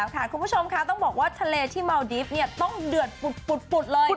คุณผู้ชมค่ะต้องบอกว่าทะเลที่เมาดิฟต์ต้องเดือดปุดเลย